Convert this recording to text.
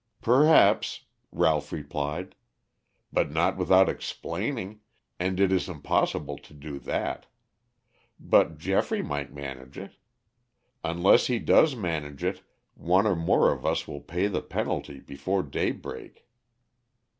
"Perhaps," Ralph replied. "But not without explaining, and it is impossible to do that. But Geoffrey might manage it. Unless he does manage it one or more of us will pay the penalty before daybreak."